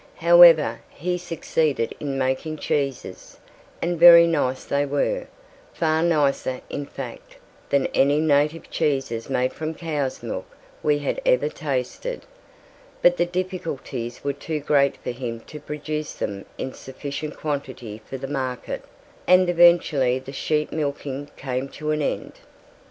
However, he succeeded in making cheeses, and very nice they were, far nicer in fact than any native cheeses made from cows' milk we had ever tasted. But the difficulties were too great for him to produce them in sufficient quantity for the market, and eventually the sheep milking came to an end.